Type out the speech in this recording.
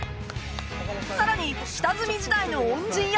さらに下積み時代の恩人や